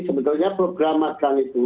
sebetulnya program magang itu